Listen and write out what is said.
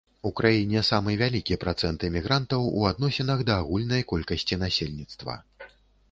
У краіне самы вялікі працэнт эмігрантаў у адносінах да агульнай колькасці насельніцтва.